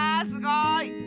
すごい！